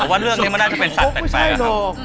แต่ว่าเรื่องนี้มันน่าจะเป็นสัตว์แปลกครับ